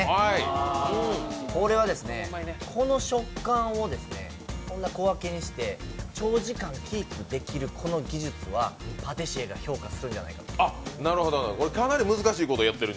この食感をこんな小分けにして、長時間キープできるこの技術はパティシエが評価するんじゃないかと。